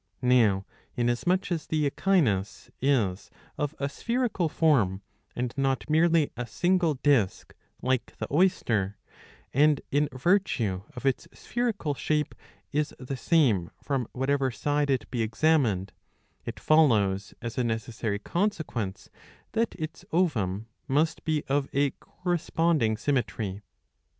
^^ .Now inasmuch as the Echinus is of a spherical form, and not merely a single disk like the oyster, and in virtue of its spherical shape is the same from whatever side it be examined, it follows as a necessary consequence that its ovum must be of a corresponding symmetry.